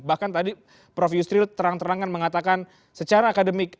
bahkan tadi prof yusril terang terangan mengatakan secara akademik